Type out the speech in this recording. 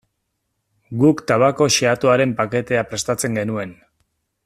Guk tabako xehatuaren paketea prestatzen genuen.